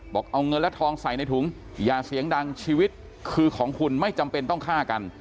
เอาเงินและทองใส่ในถุงอย่าเสียงดังชีวิตคือของคุณไม่จำเป็นต้องฆ่ากัน